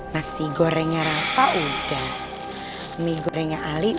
masih gorengnya rafa udah mie gorengnya ali udah